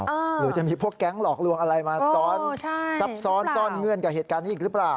หรือจะมีพวกแก๊งหลอกลวงอะไรมาซ้อนซับซ้อนซ่อนเงื่อนกับเหตุการณ์นี้อีกหรือเปล่า